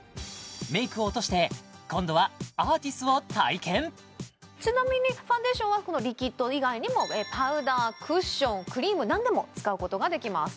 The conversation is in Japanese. メイクを落として今度はアーティスを体験ちなみにファンデーションはこのリキッド以外にもパウダークッションクリーム何でも使うことができます